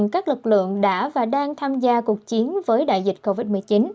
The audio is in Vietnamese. cảm ơn các lực lượng đã và đang tham gia cuộc chiến với đại dịch covid một mươi chín